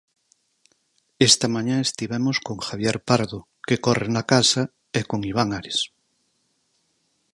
Esta mañá estivemos con Javier Pardo, que corre na casa e con Iván Ares.